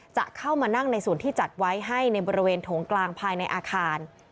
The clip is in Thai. จะเข้ามานั่งในส่วนที่จัดไว้ให้ในบริเวณโถงกลางภายในอาคาร